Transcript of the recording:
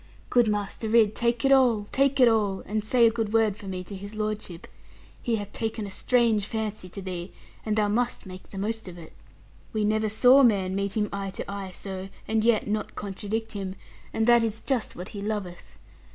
'Good Master Ridd, take it all, take it all, and say a good word for me to his lordship. He hath taken a strange fancy to thee; and thou must make the most of it. We never saw man meet him eye to eye so, and yet not contradict him, and that is just what he loveth.